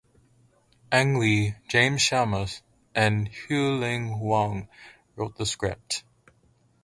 Ang Lee, James Schamus, and Hui-Ling Wang wrote the script.